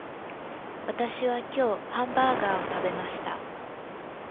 私は今日ハンバーガーを食べました